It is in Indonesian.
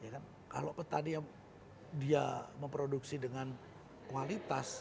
kalau petani yang dia memproduksi dengan kualitas